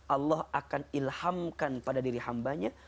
allah akan ilhamkan pada diri hambanya